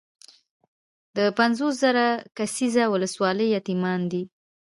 د پنځوس زره کسیزه ولسوالۍ یتیمان دي.